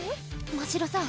ましろさん